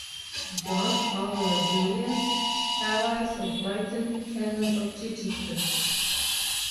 John Oliver Willyams Haweis of Brighton, Canon of Chichester.